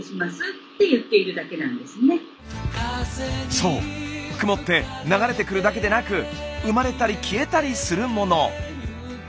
そう雲って流れてくるだけでなく生まれたり消えたりするもの。